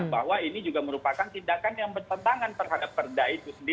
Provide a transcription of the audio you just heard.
bahwa ini juga merupakan tindakan yang bertentangan terhadap perda itu sendiri